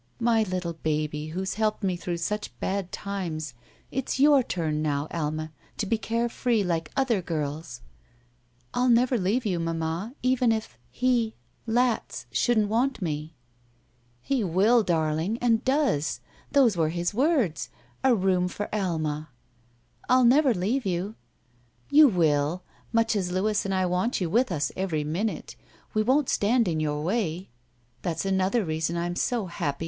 '* "My little baby, who's helped me through such 30 <ITM SHE WALKS IN BEAUTY bad times, it's your turn now, Alma, to be care free like other girls." *'I'll never leave you, mamma, even if — ^he — Latz — shouldn't want me." ''He will, darling, and does! Those were his words. * A room for Alma.' " I'll never leave you!" 'You will! Muc^ as Louis and I want you with us every minute, we won't stand in your way! That's another reason I'm so happy.